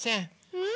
うん？